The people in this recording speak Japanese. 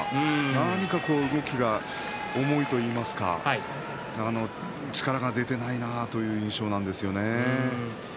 何か動きが重いといいますか力が出ていないなという印象なんですよね。